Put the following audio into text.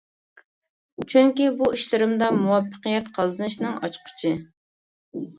چۈنكى، بۇ ئىشلىرىمدا مۇۋەپپەقىيەت قازىنىشنىڭ ئاچقۇچى.